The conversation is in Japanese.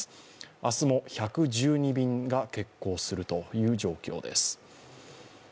明日も１１２便が欠航するという状況です。